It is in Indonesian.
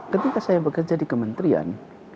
ketika saya bekerja di kementerian